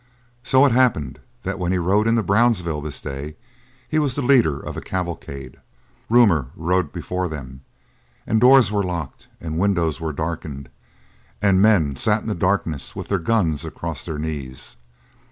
So it happened that when he rode into Brownsville this day he was the leader of a cavalcade. Rumour rode before them, and doors were locked and windows were darkened, and men sat in the darkness within with their guns across their knees.